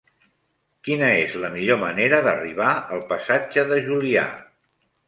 Quina és la millor manera d'arribar al passatge de Julià?